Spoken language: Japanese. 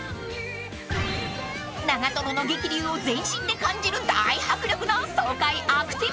［長瀞の激流を全身で感じる大迫力の爽快アクティビティ］